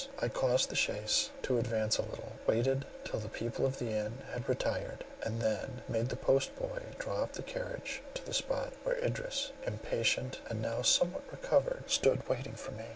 I caused the chaise to advance a little, waited till the people of the inn had retired, and then made the post boy draw up the carriage to the spot where Idris, impatient, and now somewhat recovered, stood waiting for me.